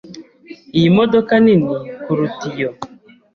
Iyi modoka nini kuruta iyo.